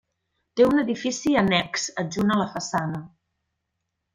Té un edifici annex adjunt a la façana.